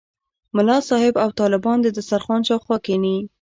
ملا صاحب او طالبان د دسترخوان شاوخوا کېني.